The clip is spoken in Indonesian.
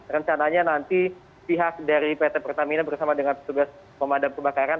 rencananya nanti pihak dari pt pertamina bersama dengan petugas pemadam kebakaran